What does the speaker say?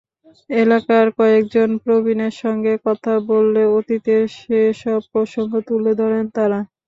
এলাকার কয়েকজন প্রবীণের সঙ্গে কথা বললে অতীতের সেসব প্রসঙ্গ তুলে ধরেন তাঁরা।